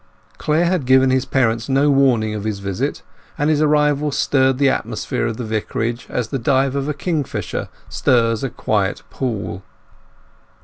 Clare had given his parents no warning of his visit, and his arrival stirred the atmosphere of the Vicarage as the dive of the kingfisher stirs a quiet pool.